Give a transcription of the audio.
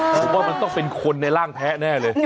ผมว่ามันต้องเป็นคนในร่างแพ้แน่เลย